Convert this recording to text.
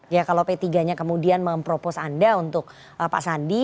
ya kalau p tiga nya kemudian mempropos anda untuk pak sandi